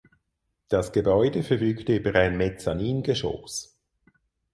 Das Gebäude verfügt über ein Mezzaningeschoss.